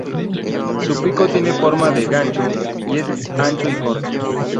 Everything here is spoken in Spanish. Su pico tiene forma de gancho, y es ancho y corto.